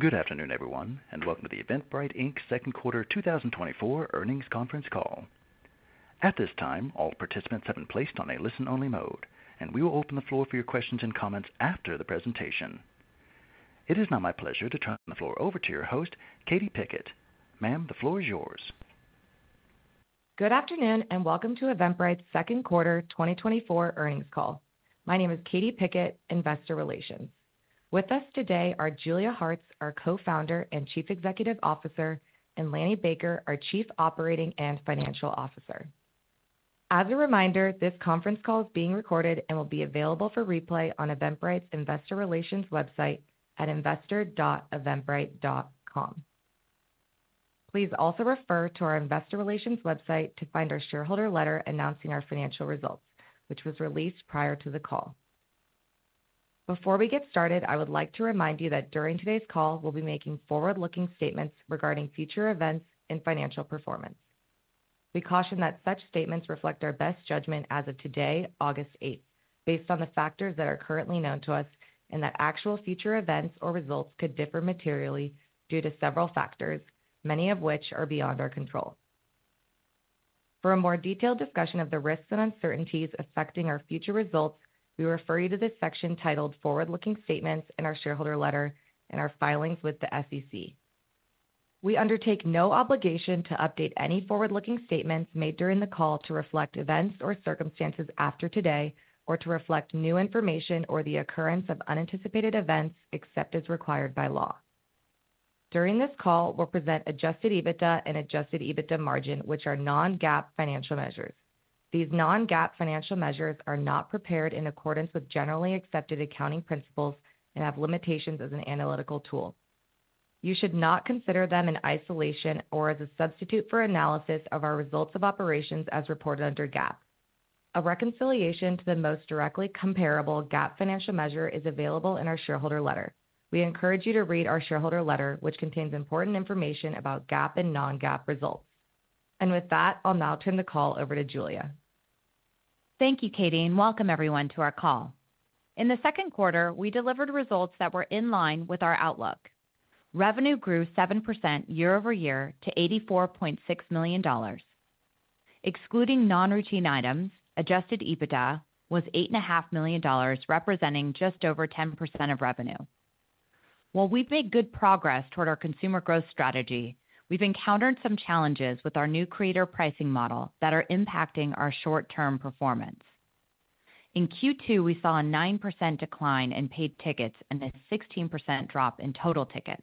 Good afternoon, everyone, and welcome to the Eventbrite, Inc.'s Second Quarter 2024 Earnings Conference Call. At this time, all participants have been placed on a listen-only mode, and we will open the floor for your questions and comments after the presentation. It is now my pleasure to turn the floor over to your host, Katie Pickett. Ma'am, the floor is yours. Good afternoon, and welcome to Eventbrite's Second Quarter 2024 Earnings Call. My name is Katie Pickett, Investor Relations. With us today are Julia Hartz, our Co-Founder and Chief Executive Officer, and Lanny Baker, our Chief Operating and Financial Officer. As a reminder, this conference call is being recorded and will be available for replay on Eventbrite's Investor Relations website at investor.eventbrite.com. Please also refer to our Investor Relations website to find our Shareholder Letter announcing our financial results, which was released prior to the call. Before we get started, I would like to remind you that during today's call, we'll be making forward-looking statements regarding future events and financial performance. We caution that such statements reflect our best judgment as of today, August 8th, based on the factors that are currently known to us. And that actual future events or results could differ materially due to several factors, many of which are beyond our control. For a more detailed discussion of the risks and uncertainties affecting our future results, we refer you to this section titled Forward-Looking Statements in our Shareholder Letter and our filings with the SEC. We undertake no obligation to update any forward-looking statements made during the call to reflect events or circumstances after today or to reflect new information or the occurrence of unanticipated events, except as required by law. During this call, we'll present adjusted EBITDA and adjusted EBITDA margin, which are non-GAAP financial measures. These non-GAAP financial measures are not prepared in accordance with generally accepted accounting principles and have limitations as an analytical tool. You should not consider them in isolation or as a substitute for analysis of our results of operations as reported under GAAP. A reconciliation to the most directly comparable GAAP financial measure is available in our Shareholder Letter. We encourage you to read our Shareholder Letter, which contains important information about GAAP and non-GAAP results. With that, I'll now turn the call over to Julia. Thank you, Katie, and welcome everyone to our call. In the second quarter, we delivered results that were in line with our outlook. Revenue grew 7% year-over-year to $84.6 million. Excluding non-routine items, adjusted EBITDA was $8.5 million, representing just over 10% of revenue. While we've made good progress toward our consumer growth strategy, we've encountered some challenges with our new creator pricing model that are impacting our short-term performance. In Q2, we saw a 9% decline in paid tickets and a 16% drop in total tickets.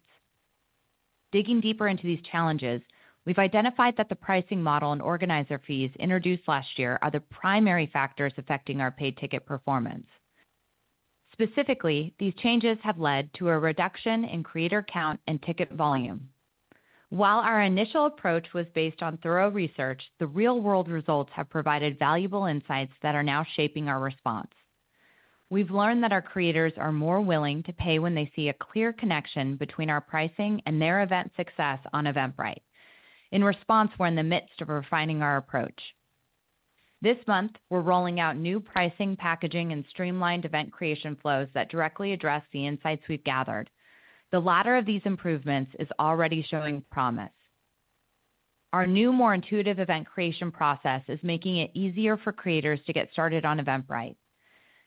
Digging deeper into these challenges, we've identified that the pricing model and organizer fees introduced last year are the primary factors affecting our paid ticket performance. Specifically, these changes have led to a reduction in creator count and ticket volume. While our initial approach was based on thorough research, the real-world results have provided valuable insights that are now shaping our response. We've learned that our creators are more willing to pay when they see a clear connection between our pricing and their event success on Eventbrite. In response, we're in the midst of refining our approach. This month, we're rolling out new pricing, packaging, and streamlined event creation flows that directly address the insights we've gathered. The latter of these improvements is already showing promise. Our new, more intuitive event creation process is making it easier for creators to get started on Eventbrite.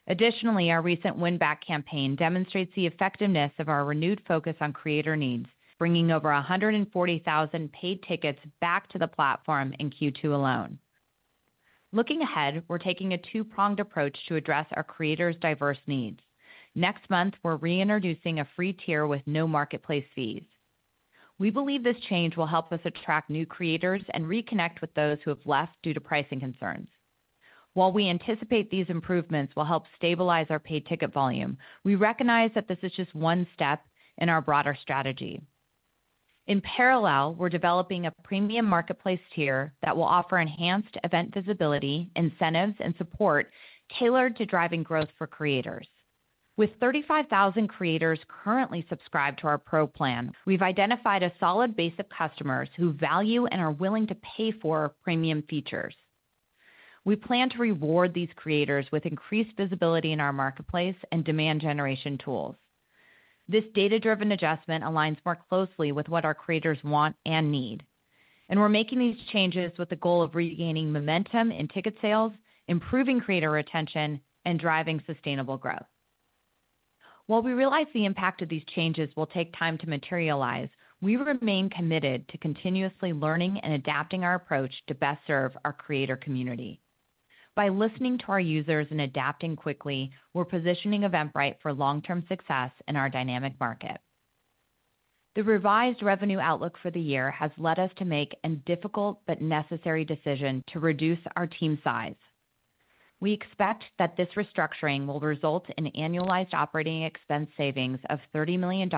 Additionally, our recent win-back campaign demonstrates the effectiveness of our renewed focus on creator needs, bringing over 140,000 paid tickets back to the platform in Q2 alone. Looking ahead, we're taking a two-pronged approach to address our creators' diverse needs. Next month, we're reintroducing a free tier with no marketplace fees. We believe this change will help us attract new creators and reconnect with those who have left due to pricing concerns. While we anticipate these improvements will help stabilize our paid ticket volume, we recognize that this is just one step in our broader strategy. In parallel, we're developing a premium marketplace tier that will offer enhanced event visibility, incentives, and support tailored to driving growth for creators. With 35,000 creators currently subscribed to our Pro plan, we've identified a solid base of customers who value and are willing to pay for premium features. We plan to reward these creators with increased visibility in our marketplace and demand generation tools. This data-driven adjustment aligns more closely with what our creators want and need, and we're making these changes with the goal of regaining momentum in ticket sales, improving creator retention, and driving sustainable growth. While we realize the impact of these changes will take time to materialize, we remain committed to continuously learning and adapting our approach to best serve our creator community. By listening to our users and adapting quickly, we're positioning Eventbrite for long-term success in our dynamic market. The revised revenue outlook for the year has led us to make a difficult but necessary decision to reduce our team size. We expect that this restructuring will result in annualized operating expense savings of $30 million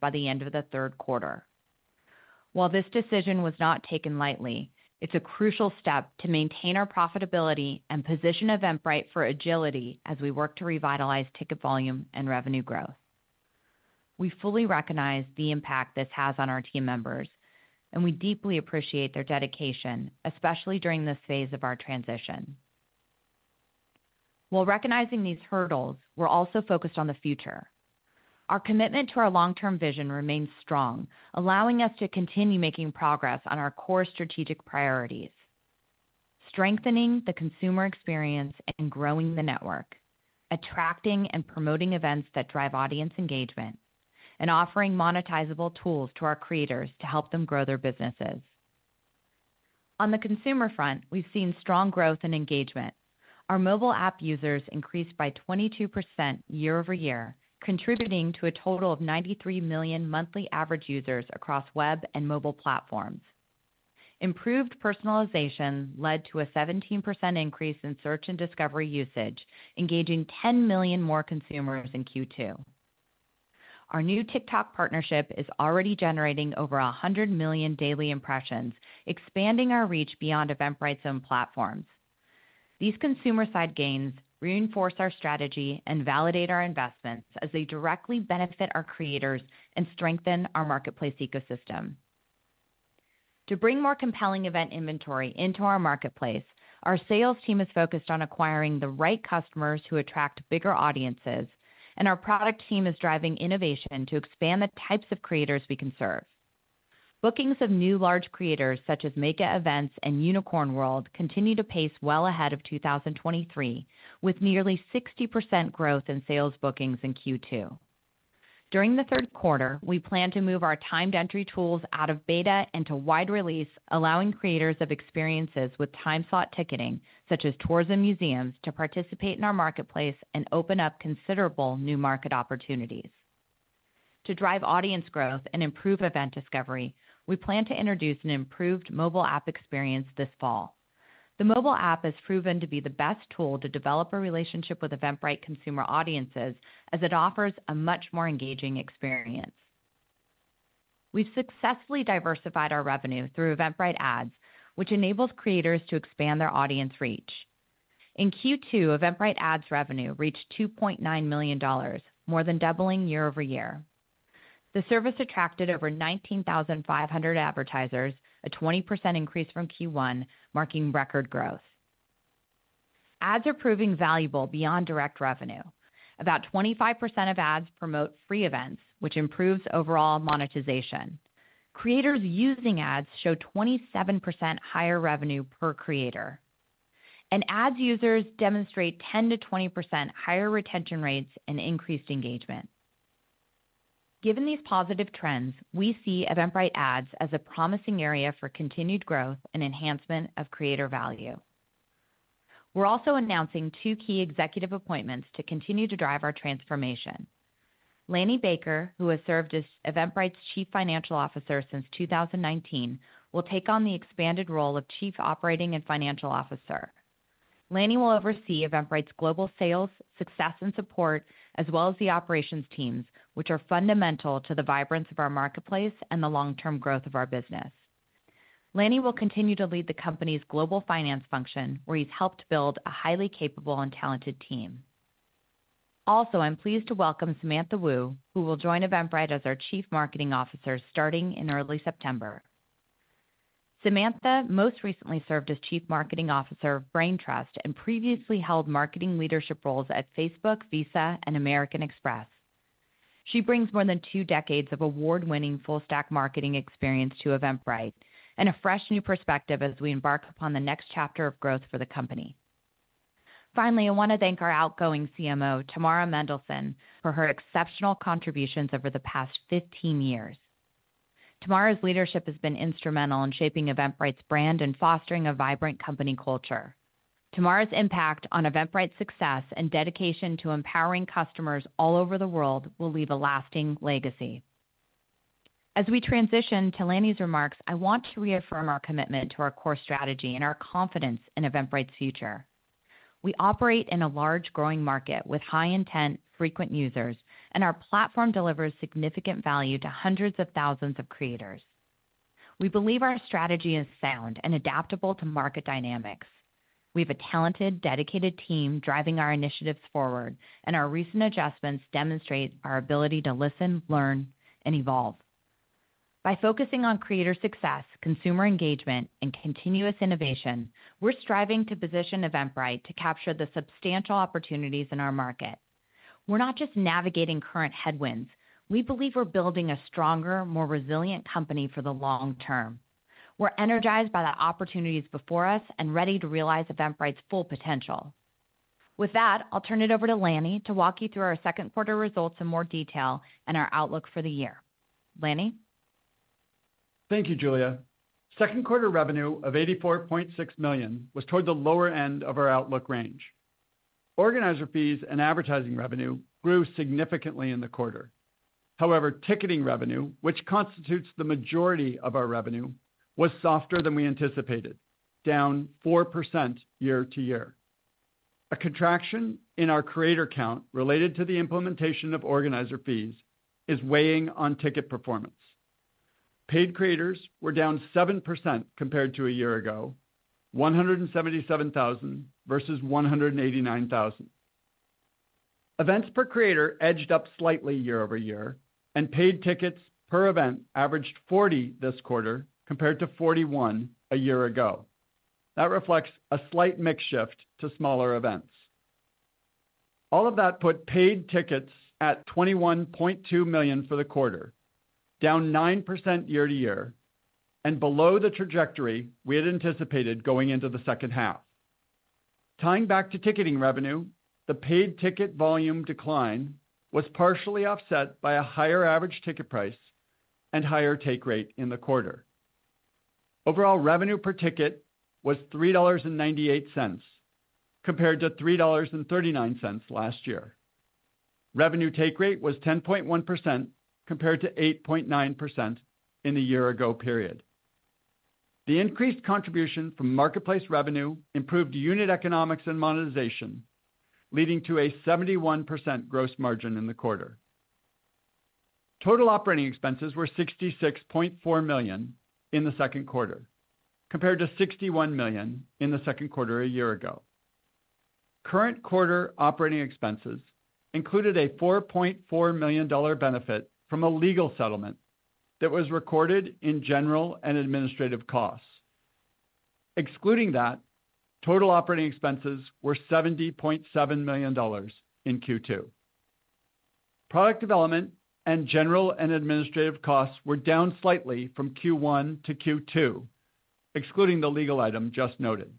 by the end of the third quarter. While this decision was not taken lightly, it's a crucial step to maintain our profitability and position Eventbrite for agility as we work to revitalize ticket volume and revenue growth. We fully recognize the impact this has on our team members, and we deeply appreciate their dedication, especially during this phase of our transition. While recognizing these hurdles, we're also focused on the future. Our commitment to our long-term vision remains strong, allowing us to continue making progress on our core strategic priorities: strengthening the consumer experience and growing the network, attracting and promoting events that drive audience engagement, and offering monetizable tools to our creators to help them grow their businesses. On the consumer front, we've seen strong growth and engagement. Our mobile app users increased by 22% year-over-year, contributing to a total of 93 million monthly average users across web and mobile platforms. Improved personalization led to a 17% increase in search and discovery usage, engaging 10 million more consumers in Q2. Our new TikTok partnership is already generating over 100 million daily impressions, expanding our reach beyond Eventbrite's own platforms. These consumer-side gains reinforce our strategy and validate our investments as they directly benefit our creators and strengthen our marketplace ecosystem. To bring more compelling event inventory into our marketplace, our sales team is focused on acquiring the right customers who attract bigger audience. And our product team is driving innovation to expand the types of creators we can serve. Bookings of new large creators, such as MEGA Events and Unicorn World, continue to pace well ahead of 2023, with nearly 60% growth in sales bookings in Q2. During the third quarter, we plan to move our timed entry tools out of beta into wide release, allowing creators of experiences with time slot ticketing, such as tours and museums, to participate in our marketplace and open up considerable new market opportunities. To drive audience growth and improve event discovery, we plan to introduce an improved mobile app experience this fall. The mobile app has proven to be the best tool to develop a relationship with Eventbrite consumer audiences, as it offers a much more engaging experience. We've successfully diversified our revenue through Eventbrite Ads, which enables creators to expand their audience reach. In Q2, Eventbrite Ads revenue reached $2.9 million, more than doubling year-over-year. The service attracted over 19,500 advertisers, a 20% increase from Q1, marking record growth. Ads are proving valuable beyond direct revenue. About 25% of ads promote free events, which improves overall monetization. Creators using ads show 27% higher revenue per creator, and ads users demonstrate 10%-20% higher retention rates and increased engagement. Given these positive trends, we see Eventbrite Ads as a promising area for continued growth and enhancement of creator value. We're also announcing two key executive appointments to continue to drive our transformation. Lanny Baker, who has served as Eventbrite's Chief Financial Officer since 2019, will take on the expanded role of Chief Operating and Financial Officer. Lanny will oversee Eventbrite's global sales, success and support, as well as the operations teams, which are fundamental to the vibrance of our marketplace and the long-term growth of our business. Lanny will continue to lead the company's global finance function, where he's helped build a highly capable and talented team. Also, I'm pleased to welcome Samantha Wu, who will join Eventbrite as our Chief Marketing Officer starting in early September. Samantha most recently served as Chief Marketing Officer of Braintrust and previously held marketing leadership roles at Facebook, Visa, and American Express. She brings more than two decades of award-winning full-stack marketing experience to Eventbrite and a fresh new perspective as we embark upon the next chapter of growth for the company. Finally, I want to thank our outgoing CMO, Tamara Mendelsohn, for her exceptional contributions over the past fifteen years. Tamara's leadership has been instrumental in shaping Eventbrite's brand and fostering a vibrant company culture. Tamara's impact on Eventbrite's success and dedication to empowering customers all over the world will leave a lasting legacy. As we transition to Lanny's remarks, I want to reaffirm our commitment to our core strategy and our confidence in Eventbrite's future. We operate in a large, growing market with high intent, frequent users, and our platform delivers significant value to hundreds of thousands of creators. We believe our strategy is sound and adaptable to market dynamics. We have a talented, dedicated team driving our initiatives forward, and our recent adjustments demonstrate our ability to listen, learn, and evolve. By focusing on creator success, consumer engagement, and continuous innovation, we're striving to position Eventbrite to capture the substantial opportunities in our market. We're not just navigating current headwinds. We believe we're building a stronger, more resilient company for the long term. We're energized by the opportunities before us and ready to realize Eventbrite's full potential. With that, I'll turn it over to Lanny to walk you through our second quarter results in more detail and our outlook for the year. Lanny? Thank you, Julia. Second quarter revenue of $84.6 million was toward the lower end of our outlook range. Organizer fees and advertising revenue grew significantly in the quarter. However, ticketing revenue, which constitutes the majority of our revenue, was softer than we anticipated, down 4% year-to-year. A contraction in our creator count related to the implementation of organizer fees is weighing on ticket performance. Paid creators were down 7% compared to a year ago, 177,000 versus 189,000. Events per creator edged up slightly year-over-year, and paid tickets per event averaged 40 this quarter compared to 41 paid tickets a year ago. That reflects a slight mix shift to smaller events. All of that put paid tickets at $21.2 million for the quarter, down 9% year-over-year, and below the trajectory we had anticipated going into the second half. Tying back to ticketing revenue, the paid ticket volume decline was partially offset by a higher average ticket price and higher take rate in the quarter. Overall revenue per ticket was $3.98, compared to $3.39 last year. Revenue take rate was 10.1%, compared to 8.9% in the year-ago period. The increased contribution from marketplace revenue improved unit economics and monetization, leading to a 71% gross margin in the quarter. Total operating expenses were $66.4 million in the second quarter, compared to $61 million in the second quarter a year ago. Current quarter operating expenses included a $4.4 million benefit from a legal settlement that was recorded in general and administrative costs. Excluding that, total operating expenses were $70.7 million in Q2. Product development and general and administrative costs were down slightly from Q1 to Q2, excluding the legal item just noted.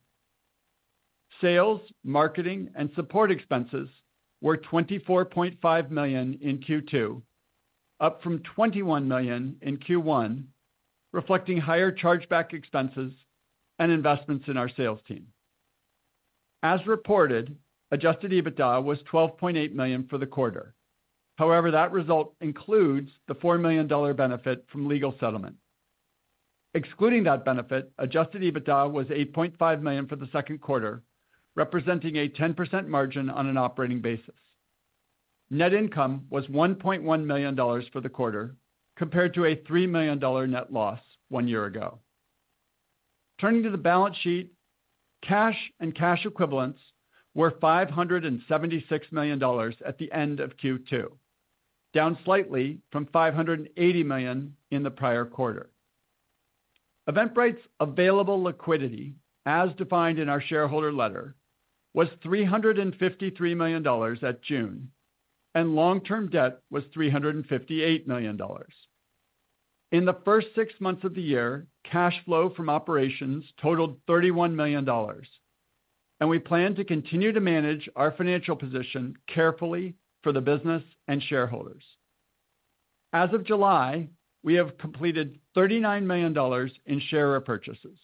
Sales, marketing, and support expenses were $24.5 million in Q2, up from $21 million in Q1, reflecting higher chargeback expenses and investments in our sales team. As reported, adjusted EBITDA was $12.8 million for the quarter. However, that result includes the $4 million benefit from legal settlement. Excluding that benefit, adjusted EBITDA was $8.5 million for the second quarter, representing a 10% margin on an operating basis. Net income was $1.1 million for the quarter, compared to a $3 million net loss one year ago. Turning to the balance sheet, cash and cash equivalents were $576 million at the end of Q2, down slightly from $580 million in the prior quarter. Eventbrite's available liquidity, as defined in our Shareholder Letter, was $353 million at June, and long-term debt was $358 million. In the first six months of the year, cash flow from operations totaled $31 million, and we plan to continue to manage our financial position carefully for the business and shareholders. As of July, we have completed $39 million in share repurchases,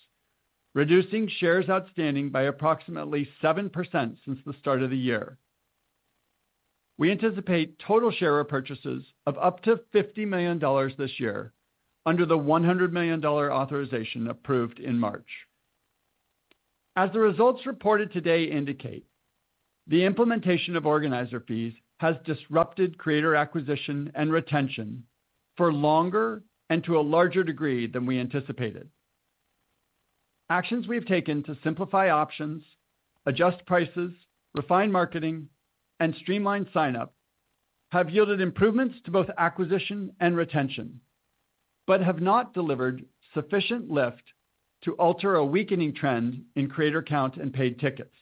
reducing shares outstanding by approximately 7% since the start of the year. We anticipate total share repurchases of up to $50 million this year under the $100 million authorization approved in March. As the results reported today indicate, the implementation of organizer fees has disrupted creator acquisition and retention for longer and to a larger degree than we anticipated. Actions we've taken to simplify options, adjust prices, refine marketing, and streamline sign-up have yielded improvements to both acquisition and retention. But have not delivered sufficient lift to alter a weakening trend in creator count and paid tickets.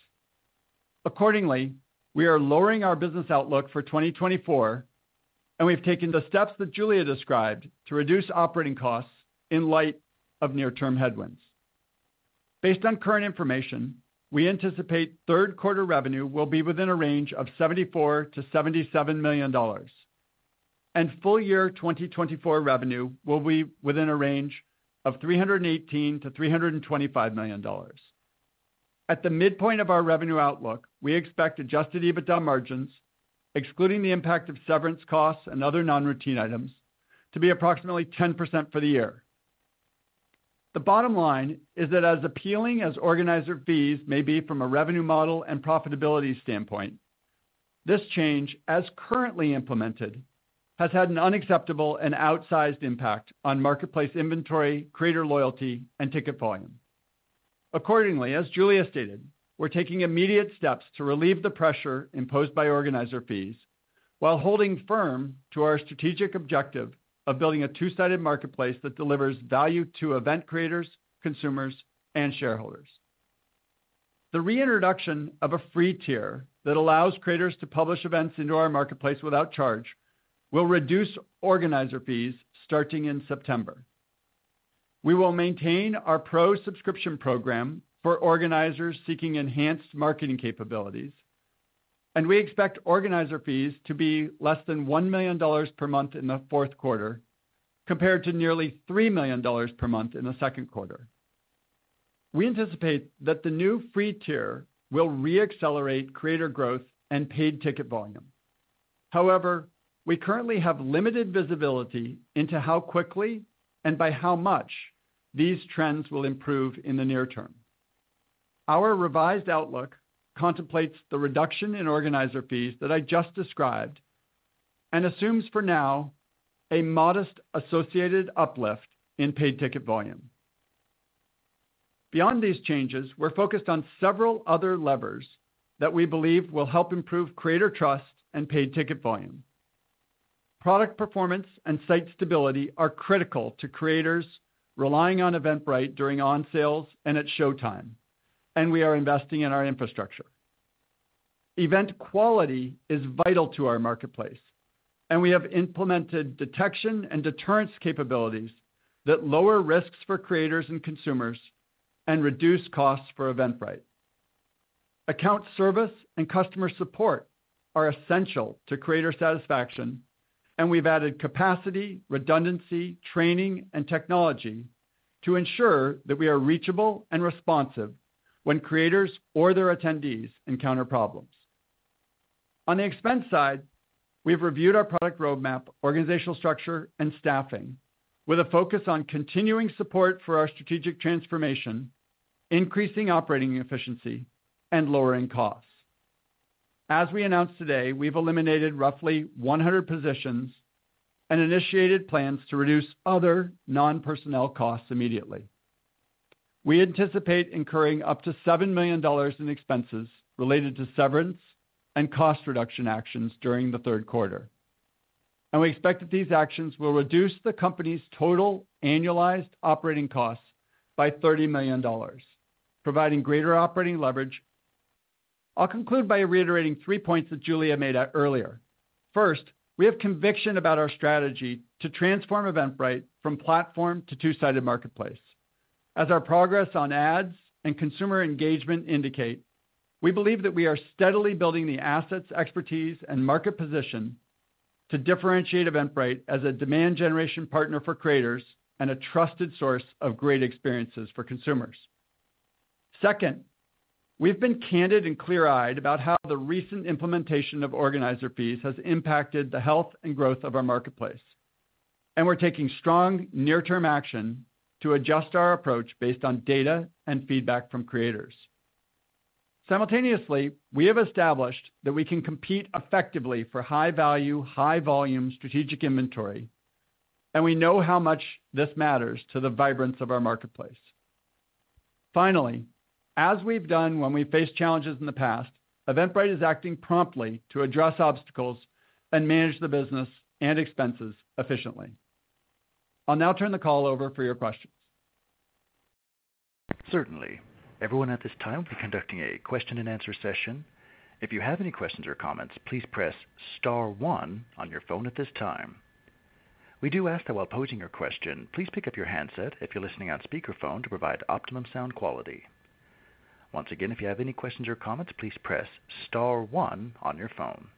Accordingly, we are lowering our business outlook for 2024, and we've taken the steps that Julia described to reduce operating costs in light of near-term headwinds. Based on current information, we anticipate third quarter revenue will be within a range of $74 million-$77 million, and full year 2024 revenue will be within a range of $318 million-$325 million. At the midpoint of our revenue outlook, we expect adjusted EBITDA margins, excluding the impact of severance costs and other non-routine items, to be approximately 10% for the year. The bottom line is that as appealing as organizer fees may be from a revenue model and profitability standpoint. This change, as currently implemented, has had an unacceptable and outsized impact on marketplace inventory, creator loyalty, and ticket volume. Accordingly, as Julia stated, we're taking immediate steps to relieve the pressure imposed by organizer fees while holding firm to our strategic objective of building a two-sided marketplace that delivers value to event creators, consumers, and shareholders. The reintroduction of a free tier that allows creators to publish events into our marketplace without charge will reduce organizer fees starting in September. We will maintain our Pro subscription program for organizers seeking enhanced marketing capabilities, and we expect organizer fees to be less than $1 million per month in the fourth quarter, compared to nearly $3 million per month in the second quarter. We anticipate that the new free tier will re-accelerate creator growth and paid ticket volume. However, we currently have limited visibility into how quickly and by how much these trends will improve in the near term. Our revised outlook contemplates the reduction in organizer fees that I just described and assumes, for now, a modest associated uplift in paid ticket volume. Beyond these changes, we're focused on several other levers that we believe will help improve creator trust and paid ticket volume. Product performance and site stability are critical to creators relying on Eventbrite during onsales and at showtime, and we are investing in our infrastructure. Event quality is vital to our marketplace. And we have implemented detection and deterrence capabilities that lower risks for creators and consumers and reduce costs for Eventbrite. Account service and customer support are essential to creator satisfaction. And we've added capacity, redundancy, training, and technology to ensure that we are reachable and responsive when creators or their attendees encounter problems. On the expense side, we've reviewed our product roadmap, organizational structure, and staffing with a focus on continuing support for our strategic transformation, increasing operating efficiency, and lowering costs. As we announced today, we've eliminated roughly 100 positions and initiated plans to reduce other non-personnel costs immediately. We anticipate incurring up to $7 million in expenses related to severance and cost reduction actions during the third quarter. And we expect that these actions will reduce the company's total annualized operating costs by $30 million, providing greater operating leverage. I'll conclude by reiterating three points that Julia made earlier. First, we have conviction about our strategy to transform Eventbrite from platform to two-sided marketplace. As our progress on ads and consumer engagement indicate, we believe that we are steadily building the assets, expertise, and market position to differentiate Eventbrite as a demand generation partner for creators and a trusted source of great experiences for consumers. Second, we've been candid and clear-eyed about how the recent implementation of organizer fees has impacted the health and growth of our marketplace, and we're taking strong near-term action to adjust our approach based on data and feedback from creators. Simultaneously, we have established that we can compete effectively for high value, high volume strategic inventory. And we know how much this matters to the vibrance of our marketplace. Finally, as we've done when we faced challenges in the past, Eventbrite is acting promptly to address obstacles and manage the business and expenses efficiently. I'll now turn the call over for your questions. Certainly. Everyone at this time, we're conducting a question and answer session. If you have any questions or comments, please press star one on your phone at this time. We do ask that while posing your question, please pick up your handset if you're listening on speakerphone to provide optimum sound quality. Once again, if you have any questions or comments, please press star one on your phone.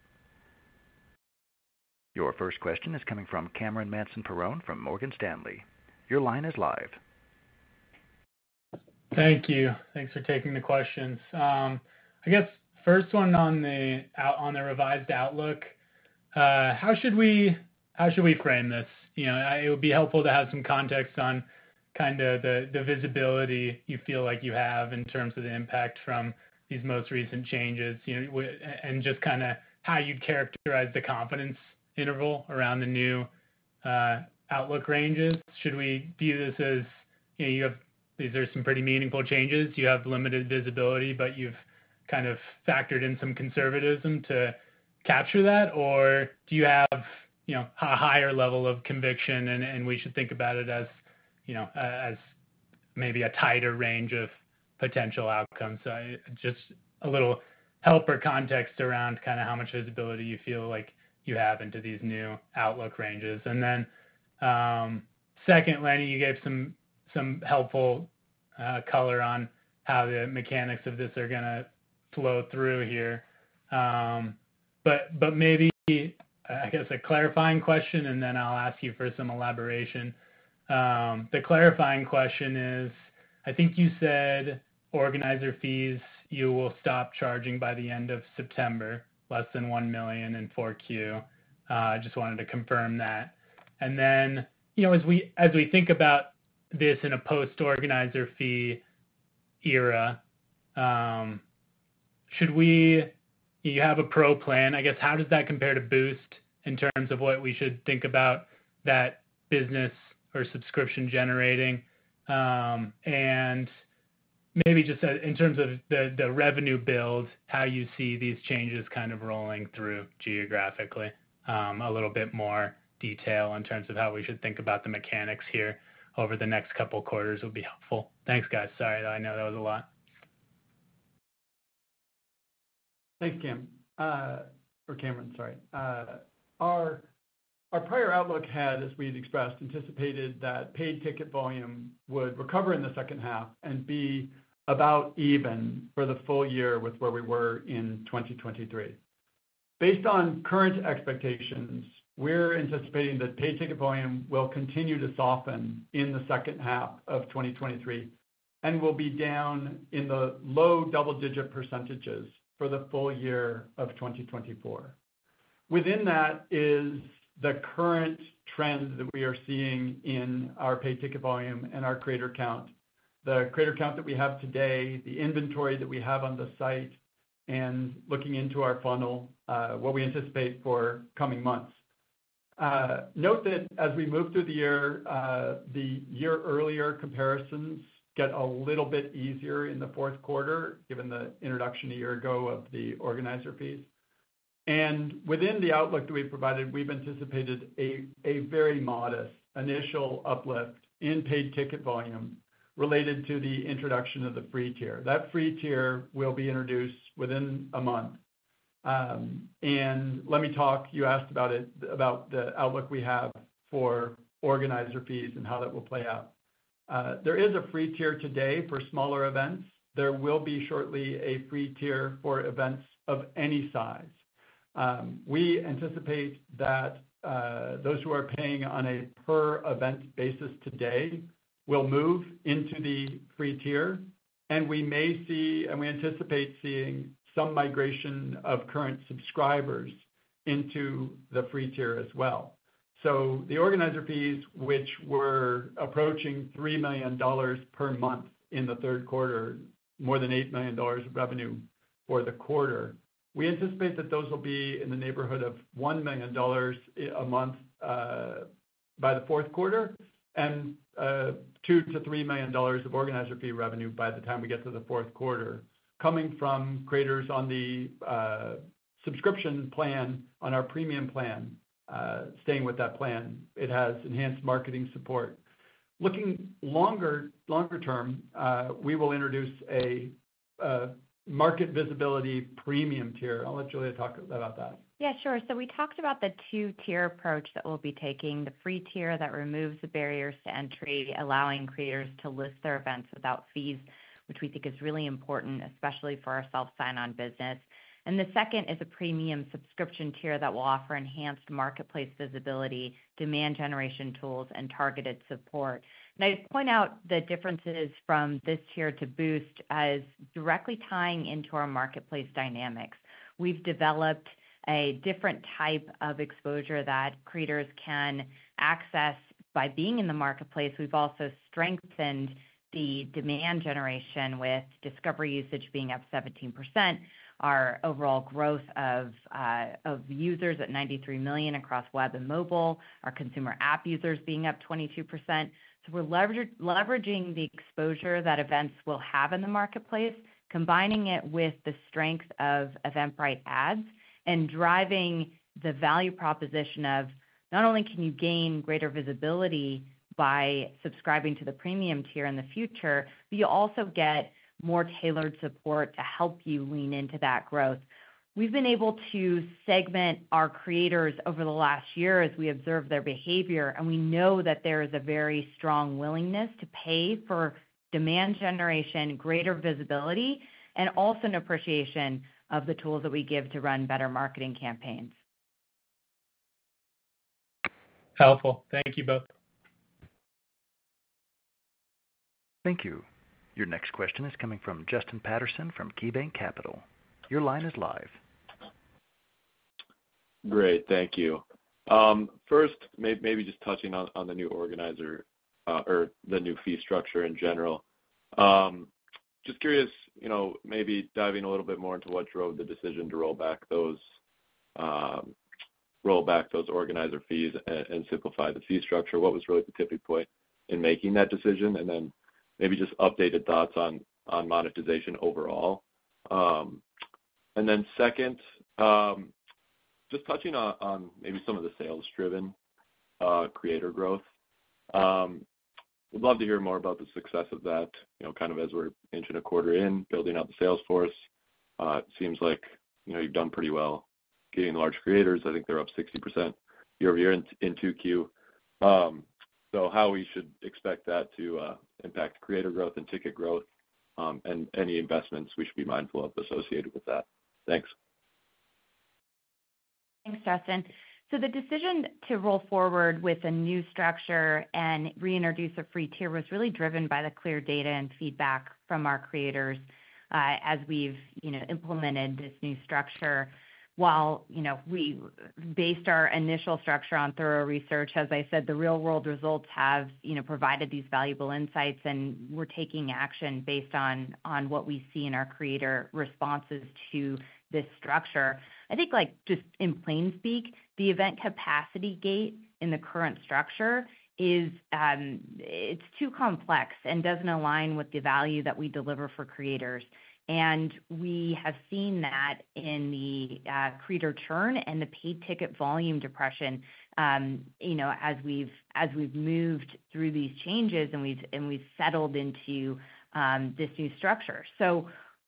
Your first question is coming from Cameron Mansson-Perrone from Morgan Stanley. Your line is live. Thank you. Thanks for taking the questions. I guess first one on the revised outlook, how should we frame this? You know, it would be helpful to have some context on kinda the visibility you feel like you have in terms of the impact from these most recent changes? And just kinda how you'd characterize the confidence interval around the new outlook ranges. Should we view this as you have, these are some pretty meaningful changes. You have limited visibility but you've kind of factored in some conservatism to capture that? Or do you have, you know, a higher level of conviction and we should think about it as, you know, as maybe a tighter range of potential outcomes? So just a little help or context around kinda how much visibility you feel like you have into these new outlook ranges. Then, secondly, you gave some helpful color on how the mechanics of this are gonna flow through here. But maybe, I guess, a clarifying question, and then I'll ask you for some elaboration. The clarifying question is, I think you said organizer fees, you will stop charging by the end of September, less than $1 million in 4Q. Just wanted to confirm that. And then, you know, as we think about this in a post organizer fee era, should we—you have a Pro plan, I guess, how does that compare to Boost in terms of what we should think about that business or subscription generating? Maybe just in terms of the revenue build, how you see these changes kind of rolling through geographically?A little bit more detail in terms of how we should think about the mechanics here over the next couple of quarters would be helpful. Thanks, guys. Sorry, I know that was a lot. Thanks, Cam, or Cameron, sorry. Our prior outlook had, as we had expressed, anticipated that paid ticket volume would recover in the second half and be about even for the full year with where we were in 2023. Based on current expectations, we're anticipating that paid ticket volume will continue to soften in the second half of 2023, and will be down in the low double-digit % for the full year of 2024. Within that is the current trend that we are seeing in our paid ticket volume and our creator count. The creator count that we have today, the inventory that we have on the site. And looking into our funnel, what we anticipate for coming months. Note that as we move through the year, the year earlier comparisons get a little bit easier in the fourth quarter, given the introduction a year ago of the organizer fee. And within the outlook that we've provided, we've anticipated a very modest initial uplift in paid ticket volume related to the introduction of the free tier. That free tier will be introduced within a month. And let me talk, you asked about it, about the outlook we have for organizer fees and how that will play out. There is a free tier today for smaller events. There will be shortly a free tier for events of any size. We anticipate that those who are paying on a per event basis today will move into the free tier, and we may see, and we anticipate seeing some migration of current subscribers into the free tier as well. So the organizer fees, which were approaching $3 million per month in the third quarter, more than $8 million of revenue for the quarter, we anticipate that those will be in the neighborhood of $1 million a month by the fourth quarter, and $2 million-$3 million of organizer fee revenue by the time we get to the fourth quarter, coming from creators on the subscription plan on our premium plan staying with that plan. It has enhanced marketing support. Looking longer term, we will introduce a market visibility premium tier. I'll let Julia talk about that. Yeah, sure. So we talked about the two-tier approach that we'll be taking. The free tier that removes the barriers to entry, allowing creators to list their events without fees, which we think is really important, especially for our self-sign-on business. And the second is a premium subscription tier that will offer enhanced marketplace visibility, demand generation tools, and targeted support. And I'd point out the differences from this tier to Boost as directly tying into our marketplace dynamics. We've developed a different type of exposure that creators can access by being in the marketplace. We've also strengthened the demand generation, with discovery usage being up 17%, our overall growth of users at 93 million across web and mobile, our consumer app users being up 22%. So we're leveraging the exposure that events will have in the marketplace, combining it with the strength of Eventbrite Ads. And driving the value proposition of not only can you gain greater visibility by subscribing to the premium tier in the future, but you also get more tailored support to help you lean into that growth. We've been able to segment our creators over the last year as we observe their behavior, and we know that there is a very strong willingness to pay for demand generation, greater visibility. And also an appreciation of the tools that we give to run better marketing campaigns. Helpful. Thank you both. Thank you. Your next question is coming from Justin Patterson from KeyBanc Capital. Your line is live. Great, thank you. First, maybe just touching on the new organizer or the new fee structure in general. Just curious, you know, maybe diving a little bit more into what drove the decision to roll back those, roll back those organizer fees and simplify the fee structure. What was really the tipping point in making that decision? And then maybe just updated thoughts on monetization overall. And then second, just touching on maybe some of the sales-driven creator growth. Would love to hear more about the success of that, you know, kind of as we're inching a quarter in, building out the sales force. It seems like, you know, you've done pretty well getting large creators. I think they're up 60% year-over-year in 2Q. So, how we should expect that to impact creator growth and ticket growth, and any investments we should be mindful of associated with that? Thanks. Thanks, Justin. So the decision to roll forward with a new structure and reintroduce a free tier was really driven by the clear data and feedback from our creators, as we've, you know, implemented this new structure. While, you know, we based our initial structure on thorough research, as I said, the real-world results have, you know, provided these valuable insights, and we're taking action based on what we see in our creator responses to this structure. I think, like, just in plain speak, the event capacity gate in the current structure is, it's too complex and doesn't align with the value that we deliver for creators. And we have seen that in the creator churn and the paid ticket volume depression, you know, as we've moved through these changes, and we've settled into this new structure. So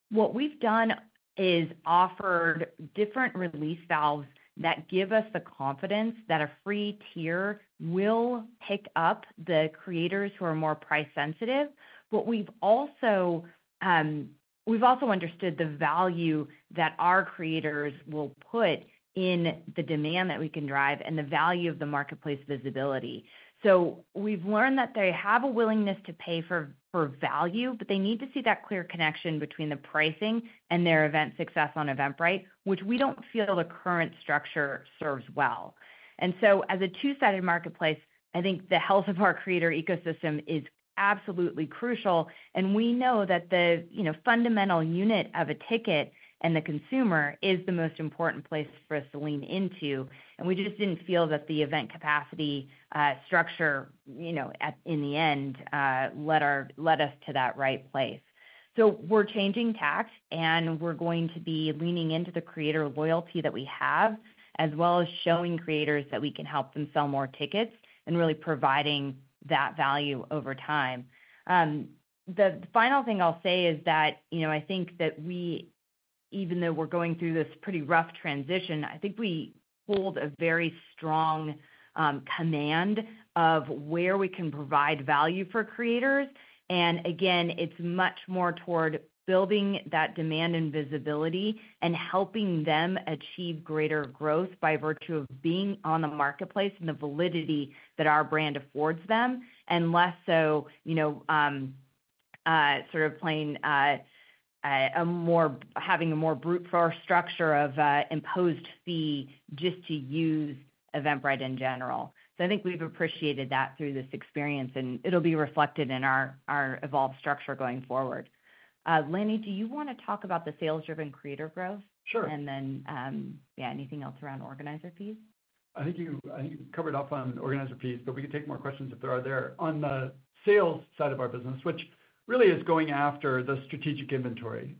what we've done is offered different release valves that give us the confidence that a free tier will pick up the creators who are more price sensitive. But we've also understood the value that our creators will put in the demand that we can drive and the value of the marketplace visibility. So we've learned that they have a willingness to pay for value. But they need to see that clear connection between the pricing and their event success on Eventbrite, which we don't feel the current structure serves well. As a two-sided marketplace, I think the health of our creator ecosystem is absolutely crucial. And we know that the, you know, fundamental unit of a ticket and the consumer is the most important place for us to lean into. And we just didn't feel that the event capacity structure, you know, in the end, led us to that right place. So we're changing tacks, and we're going to be leaning into the creator loyalty that we have. As well as showing creators that we can help them sell more tickets and really providing that value over time. The final thing I'll say is that, you know, I think that we, even though we're going through this pretty rough transition, I think we hold a very strong command of where we can provide value for creators. And again, it's much more toward building that demand and visibility and helping them achieve greater growth by virtue of being on the marketplace and the validity that our brand affords them, and less so, you know, having a more brute force structure of imposed fee just to use Eventbrite in general. So I think we've appreciated that through this experience, and it'll be reflected in our evolved structure going forward. Lanny, do you want to talk about the sales-driven creator growth? Sure. Then, yeah, anything else around organizer fees. I think you covered off on the organizer fee, but we can take more questions if there are there. On the sales side of our business, which really is going after the strategic inventory.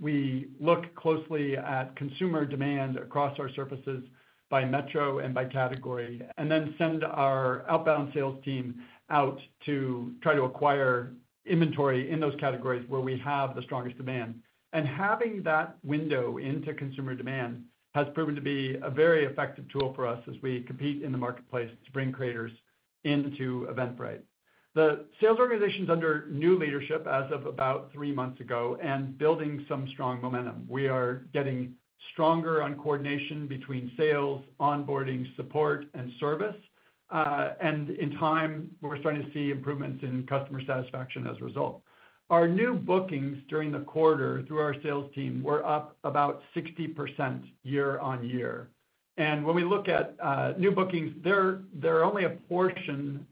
We look closely at consumer demand across our surfaces by metro and by category, and then send our outbound sales team out to try to acquire inventory in those categories where we have the strongest demand. Having that window into consumer demand has proven to be a very effective tool for us as we compete in the marketplace to bring creators into Eventbrite. The sales organization is under new leadership as of about three months ago, and building some strong momentum. We are getting stronger on coordination between sales, onboarding, support, and service. In time, we're starting to see improvements in customer satisfaction as a result. Our new bookings during the quarter through our sales team were up about 60% year-on-year. When we look at new bookings, they're only a portion.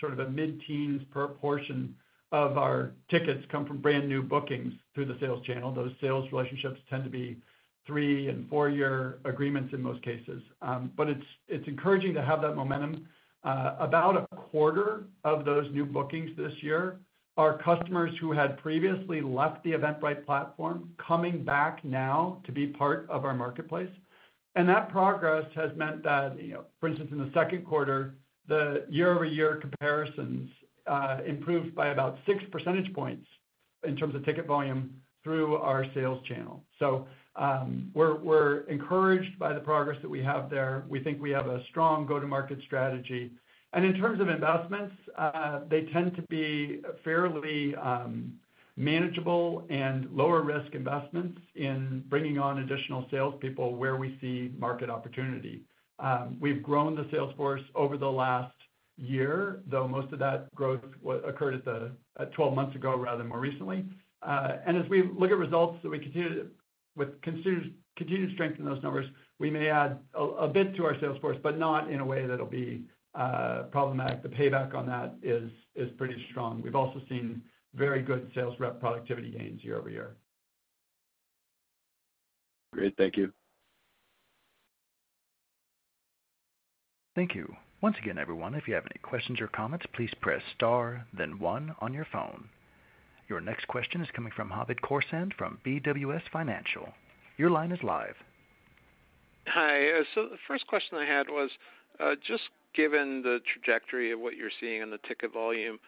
Sort of a mid-teens proportion of our tickets come from brand new bookings through the sales channel. Those sales relationships tend to be 3- and 4-year agreements in most cases. But it's encouraging to have that momentum. About a quarter of those new bookings this year are customers who had previously left the Eventbrite platform, coming back now to be part of our marketplace. And that progress has meant that, you know, for instance, in the second quarter, the year-over-year comparisons improved by about 6 percentage points in terms of ticket volume through our sales channel. So, we're encouraged by the progress that we have there. We think we have a strong go-to-market strategy. In terms of investments, they tend to be fairly manageable and lower-risk investments in bringing on additional salespeople where we see market opportunity. We've grown the sales force over the last year, though most of that growth occurred at the 12 months ago rather than more recently. And as we look at results with continued strength in those numbers, we may add a bit to our sales force, but not in a way that'll be problematic. The payback on that is pretty strong. We've also seen very good sales rep productivity gains year-over-year. Great. Thank you. Thank you. Once again, everyone, if you have any questions or comments, please press star, then one on your phone. Your next question is coming from Hamed Khorsand from BWS Financial. Your line is live. Hi. So the first question I had was just given the trajectory of what you're seeing in the ticket volume,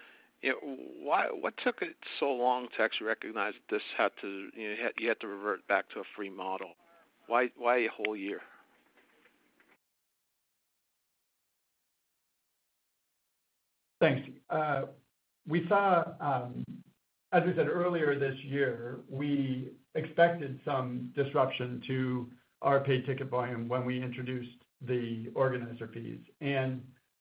you know, why, what took it so long to actually recognize this had to, you know, you had to revert back to a free model? Why, why a whole year? Thanks. We saw, as we said earlier this year. We expected some disruption to our paid ticket volume when we introduced the organizer fees.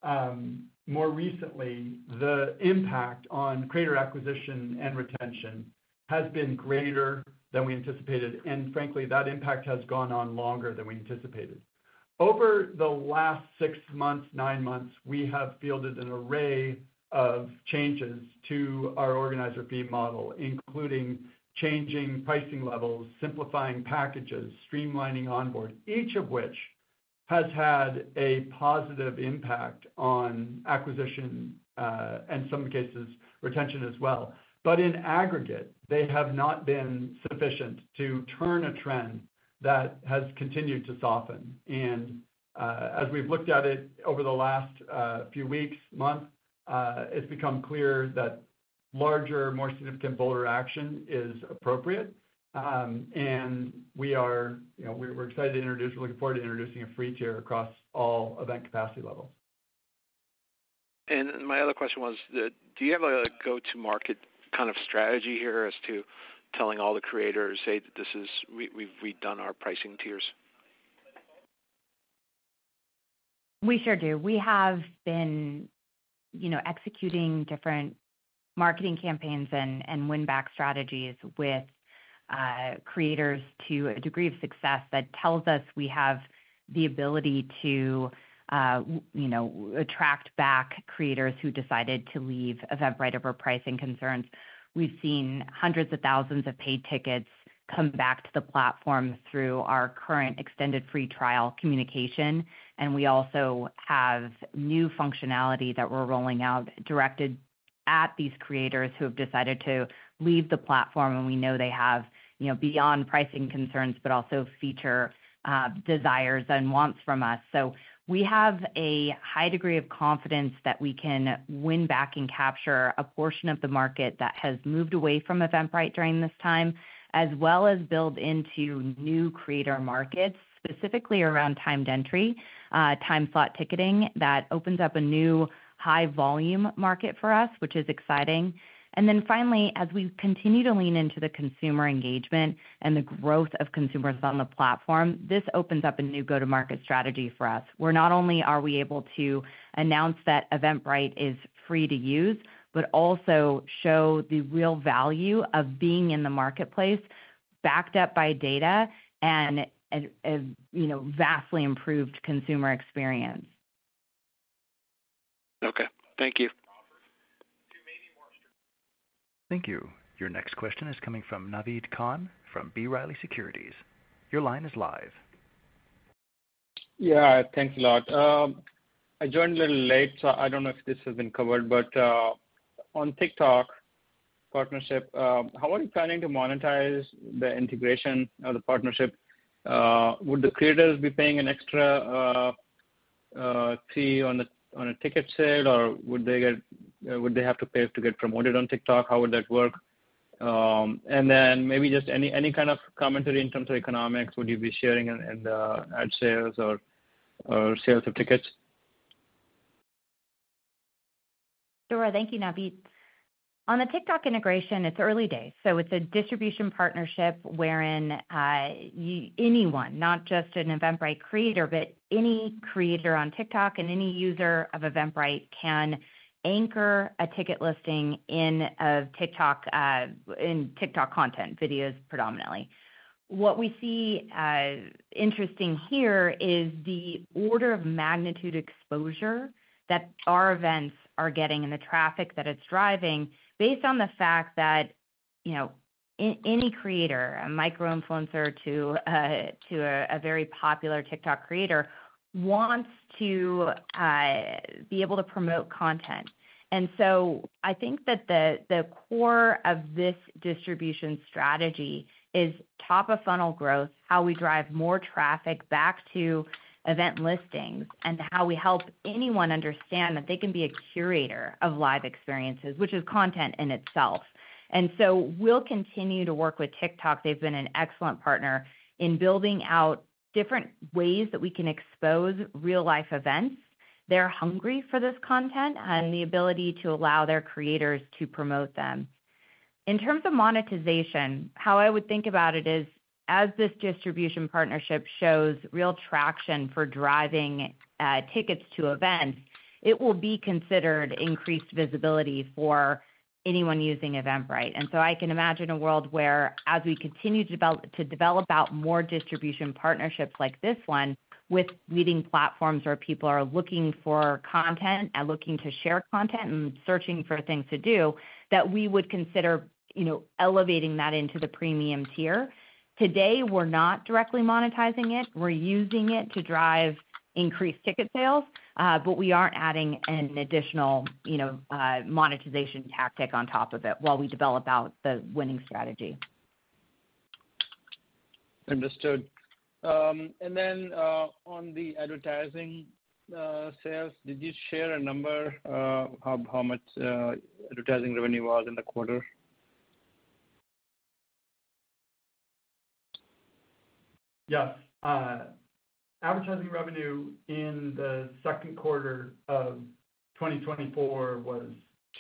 And, more recently, the impact on creator acquisition and retention has been greater than we anticipated. And frankly, that impact has gone on longer than we anticipated. Over the last six months, nine months, we have fielded an array of changes to our organizer fee model, including changing pricing levels, simplifying packages, streamlining onboard. Each of which has had a positive impact on acquisition, and some cases, retention as well. But in aggregate, they have not been sufficient to turn a trend that has continued to soften. And, as we've looked at it over the last, few weeks, months, it's become clear that larger, more significant, bolder action is appropriate. We are, you know, we're excited to introduce looking forward to introducing a free tier across all event capacity levels. My other question was that, do you have a go-to-market kind of strategy here as to telling all the creators, hey, this is, we, we've redone our pricing tiers? We sure do. We have been, you know, executing different marketing campaigns and win-back strategies with creators to a degree of success that tells us we have the ability to, you know, attract back creators who decided to leave Eventbrite over pricing concerns. We've seen hundreds of thousands of paid tickets come back to the platform through our current extended free trial communication. And we also have new functionality that we're rolling out, directed at these creators who have decided to leave the platform, and we know they have, you know, beyond pricing concerns, but also feature desires and wants from us. So we have a high degree of confidence that we can win back and capture a portion of the market that has moved away from Eventbrite during this time. As well as build into new creator markets, specifically around timed entry, time slot ticketing, that opens up a new high volume market for us, which is exciting. And then finally, as we continue to lean into the consumer engagement and the growth of consumers on the platform, this opens up a new go-to-market strategy for us. We're not only are we able to announce that Eventbrite is free to use, but also show the real value of being in the marketplace, backed up by data and, you know, vastly improved consumer experience. Okay, thank you. Thank you. Your next question is coming from Naved Khan from B. Riley Securities. Your line is live. Yeah, thanks a lot. I joined a little late, so I don't know if this has been covered, but on TikTok partnership. How are you planning to monetize the integration or the partnership? Would the creators be paying an extra fee on a ticket sale, or would they have to pay to get promoted on TikTok? How would that work? And then maybe just any kind of commentary in terms of economics, would you be sharing in the ad shares or sales of tickets? Sure. Thank you, Naved. On the TikTok integration, it's early days. So it's a distribution partnership wherein anyone, not just an Eventbrite creator, but any creator on TikTok and any user of Eventbrite can anchor a ticket listing in a TikTok content, videos predominantly. What we see as interesting here is the order of magnitude exposure that our events are getting and the traffic that it's driving. Based on the fact that, you know, any creator, a micro-influencer to a very popular TikTok creator, wants to be able to promote content. And so I think that the core of this distribution strategy is top-of-funnel growth, how we drive more traffic back to event listings, and how we help anyone understand that they can be a curator of live experiences, which is content in itself. And so we'll continue to work with TikTok. They've been an excellent partner in building out different ways that we can expose real-life events. They're hungry for this content and the ability to allow their creators to promote them. In terms of monetization, how I would think about it is, as this distribution partnership shows real traction for driving tickets to events. It will be considered increased visibility for anyone using Eventbrite. And so I can imagine a world where as we continue to develop out more distribution partnerships like this one. With leading platforms, where people are looking for content and looking to share content and searching for things to do, that we would consider, you know, elevating that into the premium tier. Today, we're not directly monetizing it. We're using it to drive increased ticket sales, but we aren't adding an additional, you know, monetization tactic on top of it while we develop out the winning strategy. Understood. And then, on the advertising sales, did you share a number, how much advertising revenue was in the quarter? Yes. Advertising revenue in the second quarter of 2024 was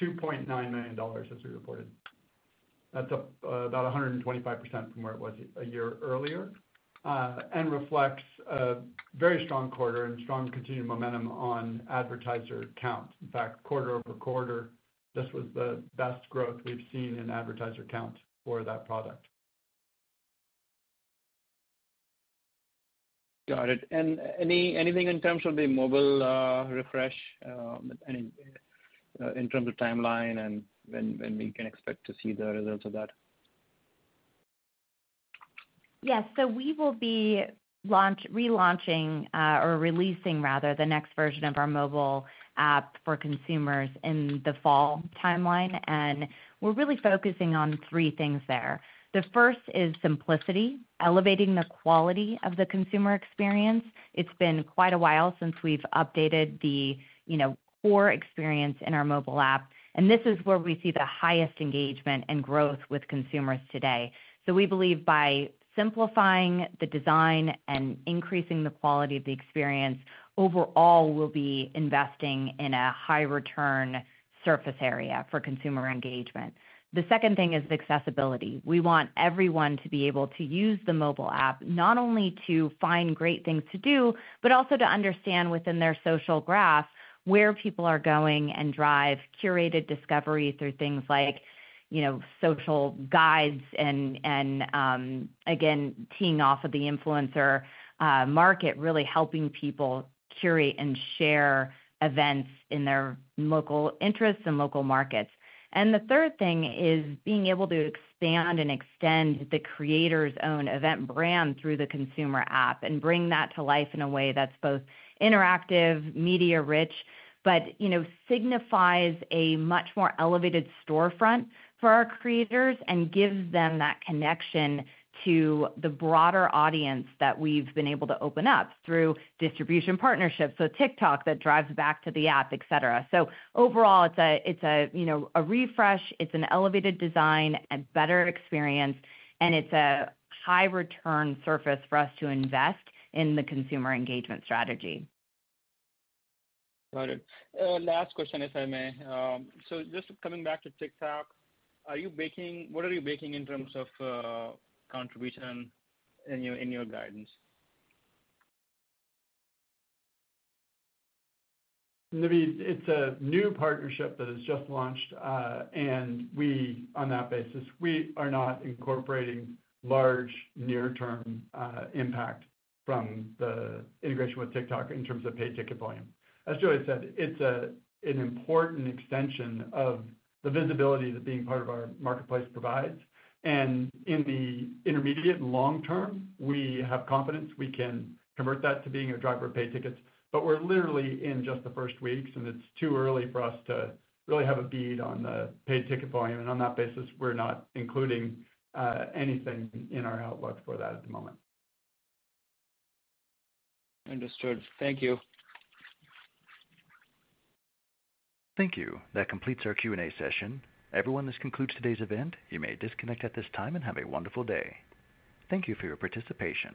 $2.9 million, as we reported. That's up about 125% from where it was a year earlier, and reflects a very strong quarter and strong continued momentum on advertiser count. In fact, quarter-over-quarter, this was the best growth we've seen in advertiser count for that product. Got it. And anything in terms of the mobile refresh, in terms of timeline and when we can expect to see the results of that? Yes. So we will be relaunching, or releasing, rather, the next version of our mobile app for consumers in the fall timeline, and we're really focusing on three things there. The first is simplicity, elevating the quality of the consumer experience. It's been quite a while since we've updated the, you know, core experience in our mobile app, and this is where we see the highest engagement and growth with consumers today. So we believe by simplifying the design and increasing the quality of the experience, overall, we'll be investing in a high-return surface area for consumer engagement. The second thing is accessibility. We want everyone to be able to use the mobile app, not only to find great things to do, But also to understand within their social graph where people are going and drive curated discovery through things like, you know, social guides and again, teeing off of the influencer market. Really helping people curate and share events in their local interests and local markets. And the third thing is being able to expand and extend the creator's own event brand through the consumer app and bring that to life in a way that's both interactive, media-rich. But, you know, signifies a much more elevated storefront for our creators and gives them that connection to the broader audience that we've been able to open up through distribution partnerships, so TikTok that drives back to the app, et cetera. So overall, it's a, you know, a refresh. It's an elevated design and better experience, and it's a high-return surface for us to invest in the consumer engagement strategy. Got it. Last question, if I may. So just coming back to TikTok, what are you baking in terms of contribution in your guidance? Naved, it's a new partnership that has just launched, and we, on that basis, we are not incorporating large near-term impact from the integration with TikTok in terms of paid ticket volume. As Julia said, it's a, an important extension of the visibility that being part of our marketplace provides. And in the intermediate and long term, we have confidence we can convert that to being a driver of paid tickets. But we're literally in just the first weeks, and it's too early for us to really have a bead on the paid ticket volume, and on that basis, we're not including anything in our outlook for that at the moment. Understood. Thank you. Thank you. That completes our Q&A session. Everyone, this concludes today's event. You may disconnect at this time and have a wonderful day. Thank you for your participation.